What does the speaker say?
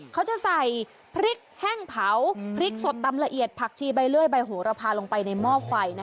เขาจะใส่พริกแห้งเผาพริกสดตำละเอียดผักชีใบเลื่อยใบโหระพาลงไปในหม้อไฟ